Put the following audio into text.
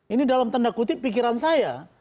ini dalam tanda kutip pikiran saya